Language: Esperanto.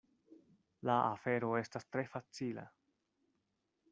La afero estas tre facila.